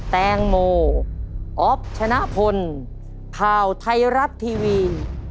แตงโมอ๊อฟชนะพลข่าวไทยรัฐทีวี